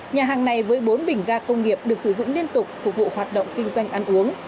nhà hàng này với bốn bình ga công nghiệp được sử dụng liên tục phục vụ hoạt động kinh doanh ăn uống